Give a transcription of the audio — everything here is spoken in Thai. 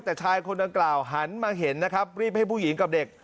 แต่ชายคนดังกล่าวหันมาเห็นนะครับรีบให้ผู้หญิงกับเด็ก